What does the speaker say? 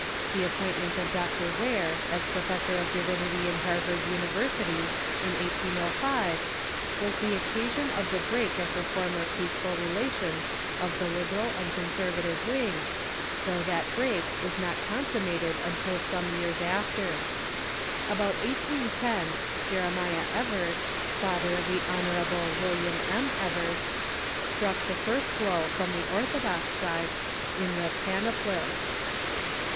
The appointment of Dr. Ware as professor of divinity in Harvard University, in 1805, was the occasion of the break of the former peaceful re lations of the liberal and conservative Aving, though that break was not consummated till some j^ears after. About 1810 Jere miah Evarts, father of the Hon. William ]\r. Evarts, struck the first blow from the orthodox side in the Panopllst.